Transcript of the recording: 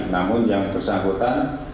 namun yang bersangkutan